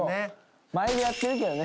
前にやってるけどね。